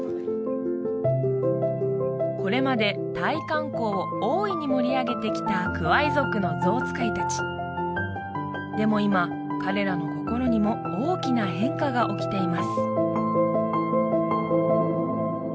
これまでタイ観光を大いに盛り上げてきたクアイ族のゾウ使い達でも今彼らの心にも大きな変化が起きています